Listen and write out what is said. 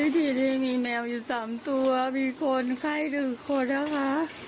ที่นี่มีแมวอยู่๓ตัวมีคนไข้๑คนนะคะ